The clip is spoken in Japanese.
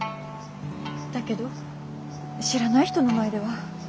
だけど知らない人の前では。